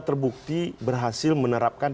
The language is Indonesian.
terbukti berhasil menerapkan